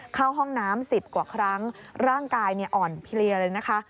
เข้าห้องน้ำ๑๐กว่าครั้งร่างกายอ่อนเพลียเลยนะคะ